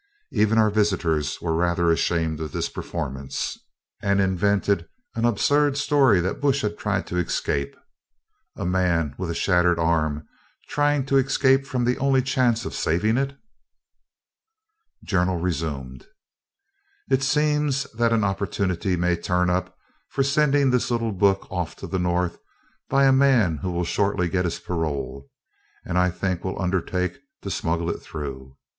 Even our visitors were rather ashamed of this performance, and invented an absurd story that Bush had tried to escape, a man with a shattered arm trying to escape from the only chance of saving it!] [Journal resumed.] It seems that an opportunity may turn up for sending this little book off to the North by a man who will shortly get his parole, and I think will undertake to smuggle it through.